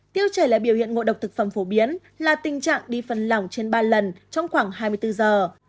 tiêu chảy là biểu hiện ngộ độc thực phẩm phổ biến là tình trạng đi phần lỏng trên ba lần trong khoảng hai mươi bốn giờ